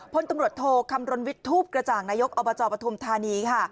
พลตำรวจโทกคำรณวิทธูปกระจ่างนายกอบจปฐานี